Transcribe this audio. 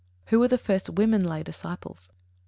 _Who were the first women lay disciples?